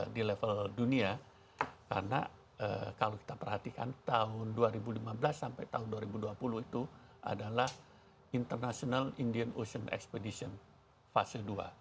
di level dunia karena kalau kita perhatikan tahun dua ribu lima belas sampai tahun dua ribu dua puluh itu adalah international indian ocean expedition fase dua